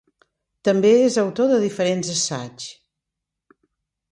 També és autor de diferents assaigs.